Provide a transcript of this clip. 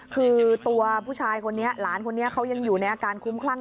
คือตัวผู้ชายคนนี้หลานคนนี้เขายังอยู่ในอาการคุ้มคลั่ง